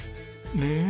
ねえ。